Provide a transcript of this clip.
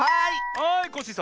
はいコッシーさん。